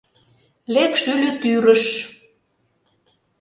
Лек шӱльӧ тӱрыш